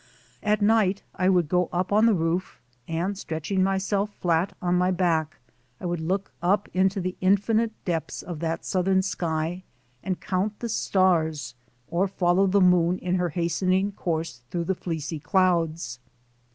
At night I would go up on the roof, and stretching myself flat on my back, I would look up into the infinite depths of that southern sky and count the stars or follow the THE CALL OF THE SEA 35 moon in her hastening course through the fleecy clouds.